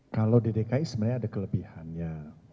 kalau di dki sebenarnya ada kelebihannya